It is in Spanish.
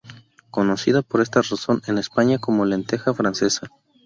Conocida, por esta razón, en España como "lenteja francesa".